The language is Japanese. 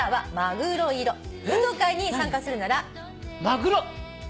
「運動会に参加するなら」「マグロ」？